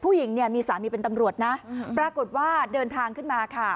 ผู้หญิงเนี่ยมีสามีเป็นตำรวจนะปรากฏว่าเดินทางขึ้นมาค่ะ